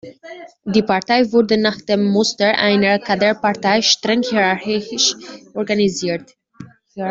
Die Partei wurde nach dem Muster einer Kaderpartei streng hierarchisch organisiert.